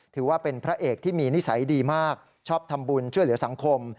ถือว่าเป็นพระเอกที่มีนิสัยดีมากชอบทำบุญช่วยเหลือสังคม